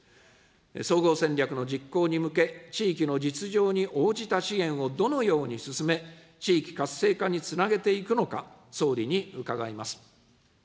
総合戦略の実行に向け、地域の実情に応じた支援をどのように進め、地域活性化につなげていくのか、総理に伺います。